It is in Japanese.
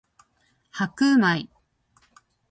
白米